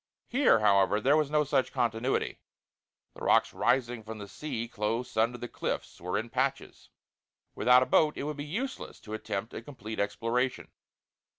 Here, however, there was no such continuity; the rocks rising from the sea close under the cliffs were in patches; without a boat it would be useless to attempt a complete exploration.